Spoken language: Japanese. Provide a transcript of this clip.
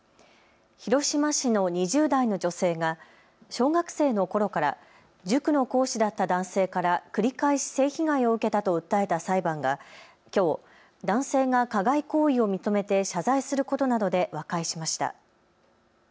広島市の２０代の女性が小学生のころから塾の講師だった男性から繰り返し性被害を受けたと訴えた裁判がきょう男性が加害行為を認めて謝罪することなどで和解しました。